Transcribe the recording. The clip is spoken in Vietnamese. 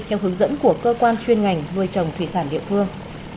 theo hướng dẫn của cơ quan chuyên ngành nuôi trồng thủy sản địa phương